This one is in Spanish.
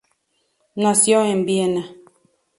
Nació en Viena.